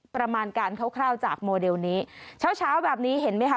ประมาณการคร่าวจากโมเดลนี้เช้าเช้าแบบนี้เห็นไหมคะ